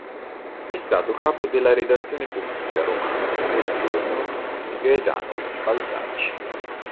È stato capo della redazione politica romana del "Giorno" di Gaetano Baldacci.